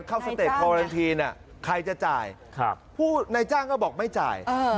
เข้าสเต็ปอ่ะใครจะจ่ายครับผู้ในจ้างก็บอกไม่จ่ายอ่า